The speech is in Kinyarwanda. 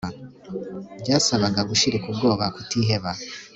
byasabaga gushirika ubwoba kutiheba